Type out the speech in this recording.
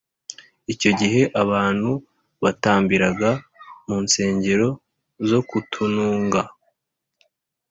Icyo gihe abantu batambiraga mu nsengero zo ku tununga